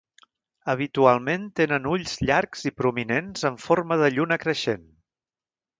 Habitualment tenen ulls llargs i prominents en forma de lluna creixent.